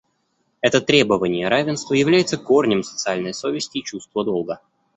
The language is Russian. Это требование равенства является корнем социальной совести и чувства долга.